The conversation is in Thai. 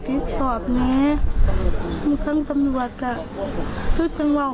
มอบตัวเอง